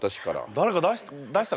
誰か出したか？